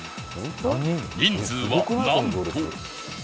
人数はなんと